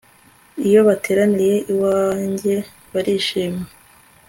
iyo bateraniye iwanjye barishima